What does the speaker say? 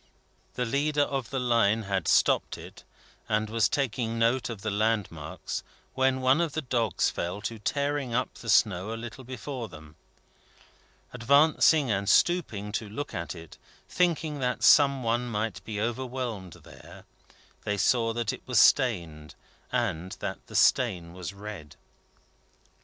The leader of the line had stopped it, and was taking note of the landmarks, when one of the dogs fell to tearing up the snow a little before them. Advancing and stooping to look at it, thinking that some one might be overwhelmed there, they saw that it was stained, and that the stain was red.